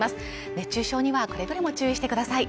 熱中症にはくれぐれも注意してください